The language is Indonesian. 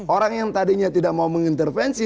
orang yang tadinya tidak mau mengintervensi